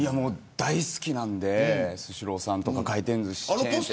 大好きなんでスシローさんとか回転ずし。